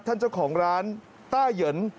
เจ้าของร้านต้าเหยิน